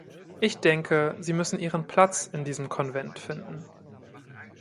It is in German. Ich denke, sie müssen ihren Platz in diesem Konvent finden.